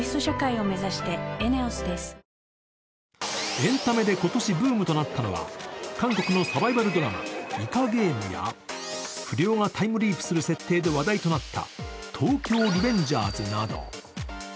エンタメで今年ブームとなったのが韓国のサバイバルドラマ「イカゲーム」や不良がタイムリープする設定で話題となった「東京リベンジャーズ」など。